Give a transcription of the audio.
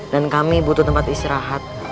dan kami butuh tempat istirahat